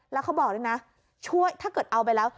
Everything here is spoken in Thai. แล้วเขาบอกด้วยนะช่วยถ้าเกิดเอาไปแล้ว